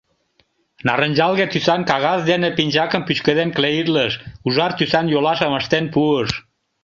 Нарынчалге тӱсан кагаз дене пинчакым пӱчкеден клеитлыш, ужар тӱсан йолашым ыштен пуыш.